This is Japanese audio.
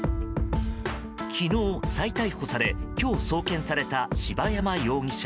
昨日、再逮捕され今日送検された柴山容疑者。